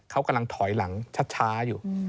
เขากำลังถอยหลังช้าอยู่